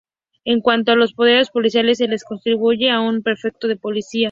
En cuanto a los poderes policiales, se los atribuye a un prefecto de policía.